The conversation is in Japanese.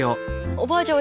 おばあちゃん